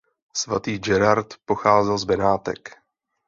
Svatý Gerard pocházel z Benátek.